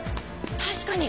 確かに！